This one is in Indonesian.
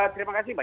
terima kasih mbak